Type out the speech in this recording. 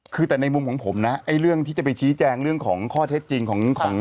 คือแต่ในมุมของผมนะไอ้เรื่องที่จะไปชี้แจงเรื่องของข้อเท็จจริงของของ